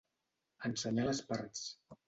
Ensenyar les parts.